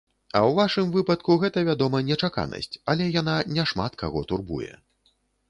А ў вашым выпадку гэта, вядома, нечаканасць, але яна не шмат каго турбуе.